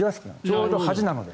ちょうど端なので。